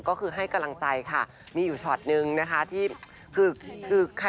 ก็คือให้กำลังใจค่ะมีอยู่ช็อตหนึ่งนะคะ